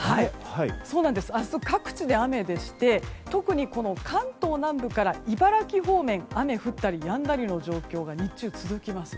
明日、各地で雨でして特に関東南部から茨城方面雨降ったりやんだりの状況が日中、続きます。